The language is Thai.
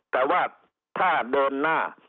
แต่ว่าถ้าเดินหน้า